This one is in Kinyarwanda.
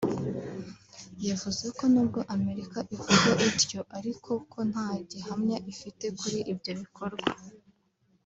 yavuze ko n’ubwo Amerika ivuga ityo ariko ko nta gihamya ifite kuri ibyo bikorwa